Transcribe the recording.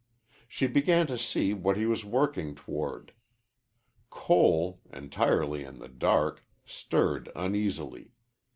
She began to see what he was working toward. Cole, entirely in the dark, stirred uneasily.